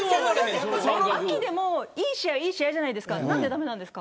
秋でもいい試合はあるじゃないですか。